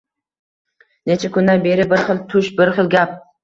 Necha kundan beri bir xil tush, bir xil gap